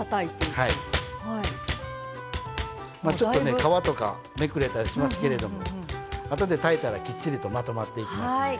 まあちょっとね皮とかめくれたりしますけれどもあとで炊いたらきっちりとまとまっていきますので。